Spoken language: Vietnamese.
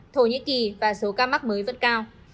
thổ nhĩ kỳ và số ca mắc mới vẫn cao